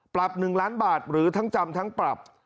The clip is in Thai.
๑ล้านบาทหรือทั้งจำทั้งปรับ